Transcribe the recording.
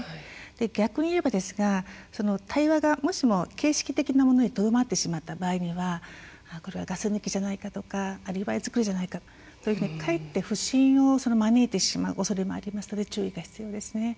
逆にいえば、対話がもしも形式的なものにとどまってしまった場合はこれはガス抜きじゃないかとかアリバイ作りじゃないかとかえって不信を招いてしまう恐れがありますので注意が必要ですね。